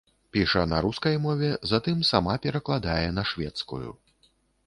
Піша на рускай мове, затым сама перакладае на шведскую.